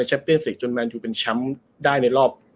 บางทีมีงานฟาดปาก